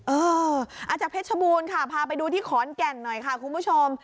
อาจจะเพชรบูรณ์ค่ะพาไปดูที่ขอนแก่นหน่อยค่ะคุณผู้ชม